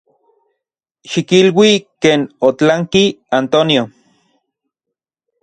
Xikilui ken otlanki Antonio.